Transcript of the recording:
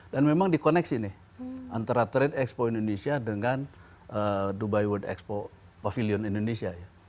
dan memang di koneksi nih antara trade expo indonesia dengan dubai world expo pavilion indonesia